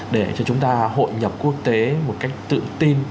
để cho chúng ta hội nhập quốc tế một cách tự tin